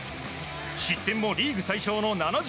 失点もリーグ最少の７８。